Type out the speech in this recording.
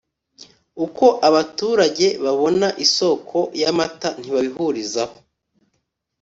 Uko abaturage babona isoko ry’ amata ntibabihurizaho